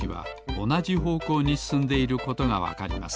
おなじほうこうにすすんでいることがわかります